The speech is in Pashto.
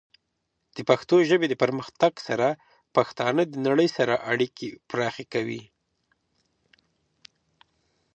د پښتو ژبې د پرمختګ سره، پښتانه د نړۍ سره اړیکې پراخه کوي.